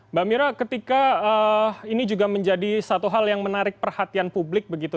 mbak mira ketika ini juga menjadi satu hal yang menarik perhatian publik begitu